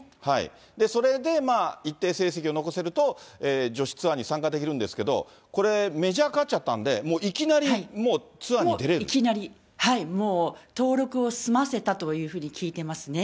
それで一定成績を残せると、女子ツアーに参加できるんですけど、これ、メジャー勝っちゃったんで、もういきなりもう、ツアーいきなり、登録を済ませたというふうに聞いていますね。